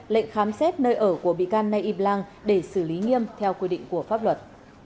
lệnh khám xét nơi ở của bị can nay y blang để xử lý nghiêm theo quy định của pháp luật